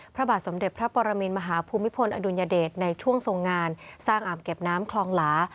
พระบาทสมเด็จพระปรมินมหาภูมิพลอดุลยเดชในช่วงทรงงานสร้างอ่างเก็บน้ำคลองหลา